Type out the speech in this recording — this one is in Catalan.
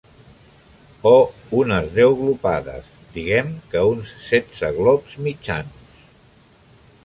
Oh, unes deu glopades, diguem que uns setze glops mitjans-